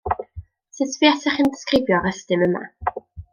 Sut fuasech yn disgrifio'r ystum yma?